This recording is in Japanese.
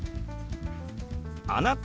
「あなた？」。